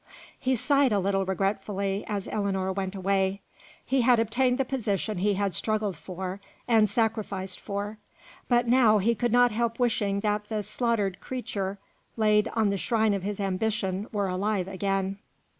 He sighed a little regretfully as Ellinor went away. He had obtained the position he had struggled for, and sacrificed for; but now he could not help wishing that the slaughtered creature laid on the shrine of his ambition were alive again.